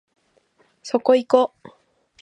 そこいこ